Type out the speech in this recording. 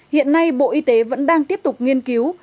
hiện nay bộ y tế vẫn đang tiếp tục nghiên cứu